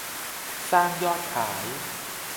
สร้างยอดขาย